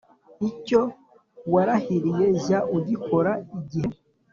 Icyo warahiriye jya ugikorera igihe,